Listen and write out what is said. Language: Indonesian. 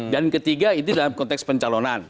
dan ketiga itu dalam konteks pencalonan